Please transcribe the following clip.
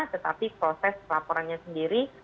tetapi proses laporannya sendiri